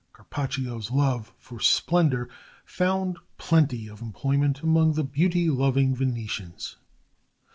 Carpaccio's love for splendor found plenty of employment among the beauty loving Venetians.